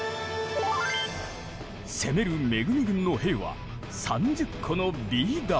攻める恵軍の兵は３０個のビー玉。